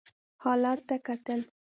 حالت ته کتل.